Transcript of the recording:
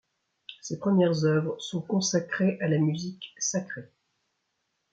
Ses premières œuvres sont consacrées à la musique sacrée.